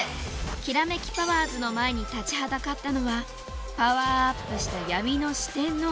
キラメキパワーズの前に立ちはだかったのはパワーアップした闇の四天王